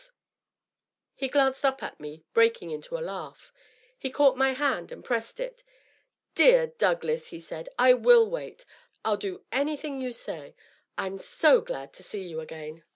614 DOUGLAS DUANE. He glanced up at me, breaking into a laugh. He caught my hand and pressed it. " Dear Douglas ! he said, " I wiU wait. I'll do any thing you say ! I'm so glad to see you again